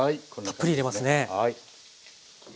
たっぷり入れますね。